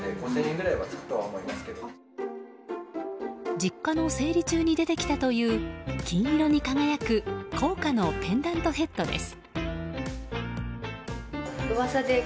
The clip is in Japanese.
実家の整理中に出てきたという金色に輝く硬貨のペンダントヘッドです。